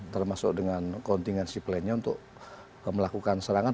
termasuk dengan kontingensi plan nya untuk melakukan serangan